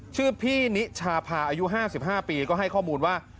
ชื่อพี่นิชาพาอายุ๕๕ปีก็ให้ข้อมูลว่า